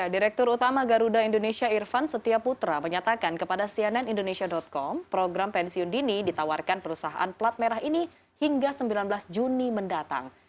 direktur utama garuda indonesia irvan setia putra menyatakan kepada cnn indonesia com program pensiun dini ditawarkan perusahaan plat merah ini hingga sembilan belas juni mendatang